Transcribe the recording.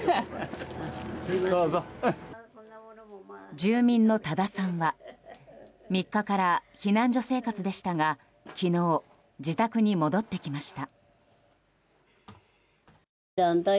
住民の多田さんは３日から避難所生活でしたが昨日、自宅に戻ってきました。